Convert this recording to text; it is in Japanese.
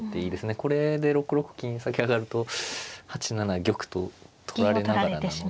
これで６六金先上がると８七玉と取られながらなので。